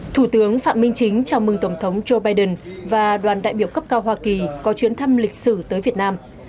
thủ tướng phạm minh chính chào mừng tổng thống joe biden và đoàn đại biểu cấp cao hoa kỳ có chuyến thăm lịch sử tới việt nam